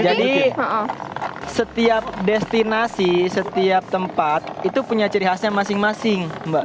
jadi setiap destinasi setiap tempat itu punya ciri khasnya masing masing mbak